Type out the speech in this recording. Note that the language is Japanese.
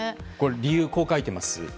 理由、こう書いてます。